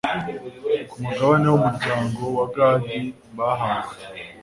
ku mugabane w'umuryango wa gadi bahawe